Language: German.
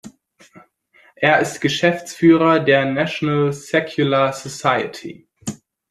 Er ist Geschäftsführer der National Secular Society.